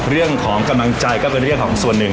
เรื่องของกำลังใจก็เป็นเรื่องของส่วนหนึ่ง